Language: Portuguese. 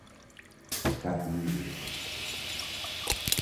cabíveis